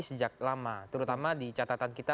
sejak lama terutama di catatan kita